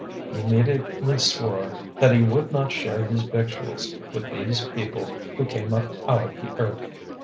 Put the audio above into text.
He immediately swore that he would not share his victuals with these people who came up out of the earth.